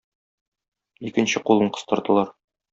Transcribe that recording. Икенче кулын кыстырдылар.